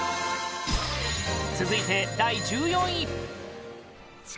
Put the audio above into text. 続いて第１４位神父：